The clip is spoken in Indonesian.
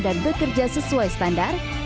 ketiga bekerja sesuai standar